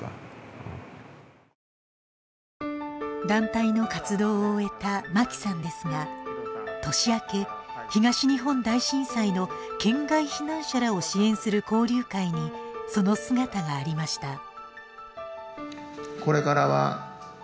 団体の活動を終えた牧さんですが、年明け、東日本大震災の県外避難者らを支援する交流会にその姿がありました。